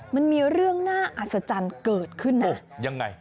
มันมีเรื่องน่าอัศจรรย์เกิดขึ้นนะยังไง